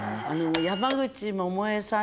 山口百恵さん